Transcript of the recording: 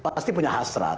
pasti punya hasrat